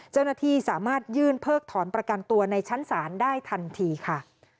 เจ้าหน้าที่สามารถยื่นเพิกถอนประกันตัวในชั้นศาลได้ทันทีค่ะ